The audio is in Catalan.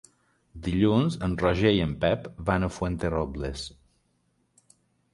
Dilluns en Roger i en Pep van a Fuenterrobles.